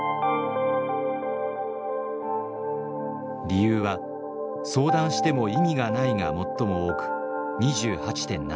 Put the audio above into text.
理由は「相談しても意味がない」が最も多く２８．７％。